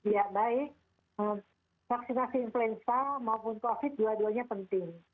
ya baik vaksinasi influenza maupun covid dua duanya penting